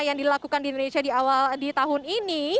yang dilakukan di indonesia di awal di tahun ini